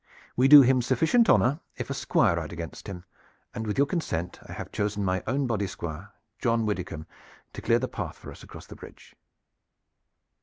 We do him sufficient honor if a Squire ride against him, and with your consent I have chosen my own body squire, John Widdicombe, to clear the path for us across the bridge."